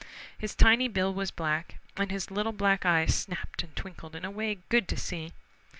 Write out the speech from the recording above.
His tiny bill was black, and his little black eyes snapped and twinkled in a way good to see.